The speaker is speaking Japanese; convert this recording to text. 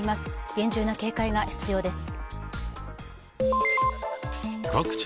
厳重な警戒が必要です。